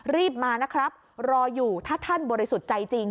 รีบมานะครับรออยู่ถ้าท่านบริสุทธิ์ใจจริง